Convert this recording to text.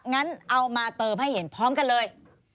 งั้นเอามาเติมให้เห็นพร้อมกันเลย